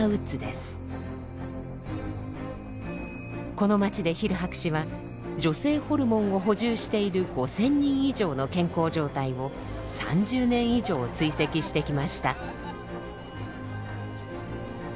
この町でヒル博士は女性ホルモンを補充している５，０００人以上の健康状態を３０年以上追跡してきました。